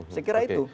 saya kira itu